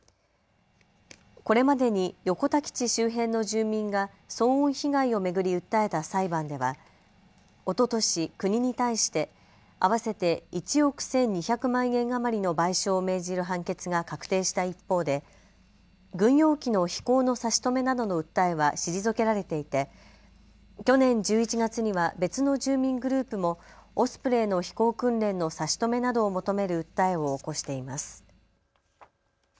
これまでに横田基地周辺の住民が騒音被害を巡り訴えた裁判ではおととし、国に対して合わせて１億１２００万円余りの賠償を命じる判決が確定した一方で軍用機の飛行の差し止めなどの訴えは退けられていて去年１１月には別の住民グループもオスプレイの飛行訓練の差し止めなどを求める訴えを起こしています。